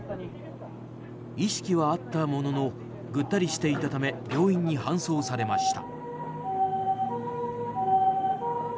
意識はあったもののぐったりしていたため病院に搬送されました。